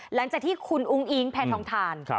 หลังจากที่คุณอุ้งอิงแพทองทาน